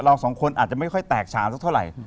เราสองคนอาจจะไม่ค่อยแตกฉาสักเท่าไหร่